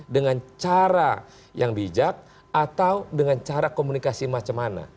dengan cara yang bijak atau dengan cara komunikasi macam mana